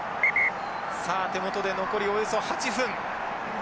さあ手元で残りおよそ８分。